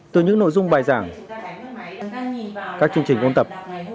từ những nội dung bài giảng các chương trình ôn tập